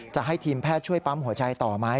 จะให้ทีมแพทย์ช่วยปั๊มหัวใจต่อไหม